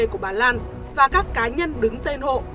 của bà lan và các cá nhân đứng tên hộ